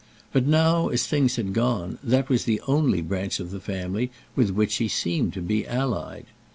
But now, as things had gone, that was the only branch of the family with which he seemed to be allied.